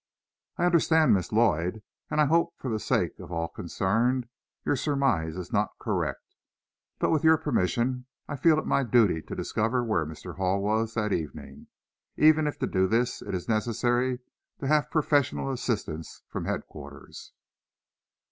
"I understand, Miss Lloyd, and I hope for the sake of all concerned, your surmise is not correct. But, with your permission, I feel it my duty to discover where Mr. Hall was that evening, even if to do this it is necessary to have professional assistance from headquarters."